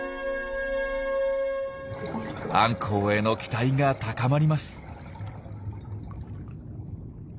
アンコウへの期待が高まります。